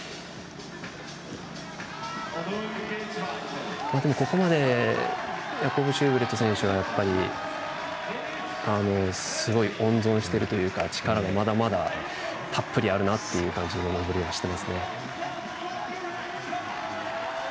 本当に、ここまでヤコブ・シューベルト選手がすごい温存しているというか力も、まだまだたっぷりあるなという感じの登りをしていますね。